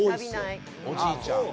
おじいちゃん。